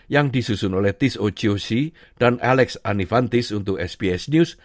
yang disusun oleh tiz ochoa c dan alex anifantis untuk sbs news